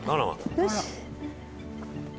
よし。